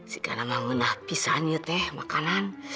sikana mah mengenah pisan ya teh makanan